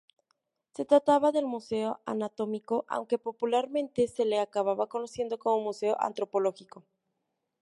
Se trataba del "Museo Anatómico", aunque popularmente se le acabó conociendo como Museo Antropológico.